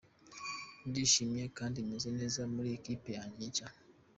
Ndishimye kandi meze neza muri Equipe yange nshya.